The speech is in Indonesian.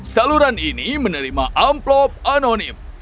saluran ini menerima amplop anonim